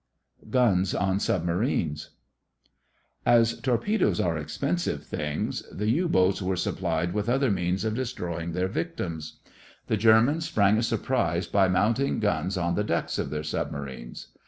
GUNS ON SUBMARINES As torpedoes are expensive things, the U boats were supplied with other means of destroying their victims. The Germans sprang a surprise by mounting guns on the decks of their submarines.